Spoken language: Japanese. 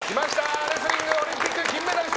来ました、レスリングオリンピック金メダリスト